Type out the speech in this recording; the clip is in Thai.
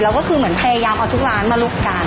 แล้วก็คือเหมือนพยายามเอาทุกร้านมาลุกกัน